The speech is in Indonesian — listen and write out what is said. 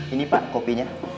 ini pak kopinya